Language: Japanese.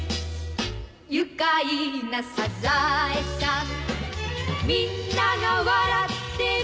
「愉快なサザエさん」「みんなが笑ってる」